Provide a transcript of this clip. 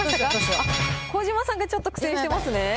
小島さんがちょっと苦戦してますね。